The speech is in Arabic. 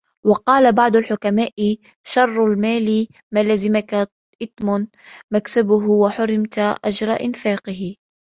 وَقَالَ بَعْضُ الْحُكَمَاءِ شَرُّ الْمَالِ مَا لَزِمَك إثْمُ مَكْسَبِهِ وَحُرِمْتَ أَجْرَ إنْفَاقِهِ